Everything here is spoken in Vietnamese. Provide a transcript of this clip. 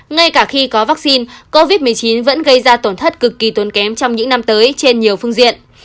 ngay cả khi có vaccine covid một mươi chín vẫn gây ra tổn thất cực kỳ tốn kém trong những năm tới trên nhiều phương diện